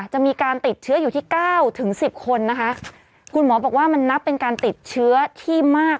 จะมีการติดเชื้ออยู่ที่เก้าถึงสิบคนนะคะคุณหมอบอกว่ามันนับเป็นการติดเชื้อที่มาก